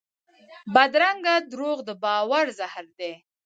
بدرنګه دروغ د باور زهر دي